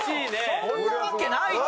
そんなわけないって！